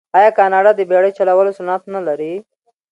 آیا کاناډا د بیړۍ چلولو صنعت نلري؟